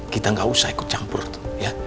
kita gak usah ikut campur tuh ya